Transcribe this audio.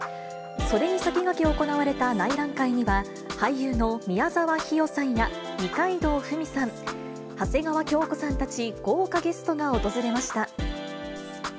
それに先駆け行われた内覧会には、俳優の宮沢氷魚さんや二階堂ふみさん、長谷川京子さんたち、豪華ゲストが訪れました。